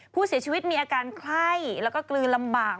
ผู้เสียชีวิตมีอาการไข้แล้วก็กลืนลำบาก